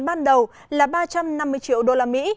ban đầu là ba trăm năm mươi triệu đô la mỹ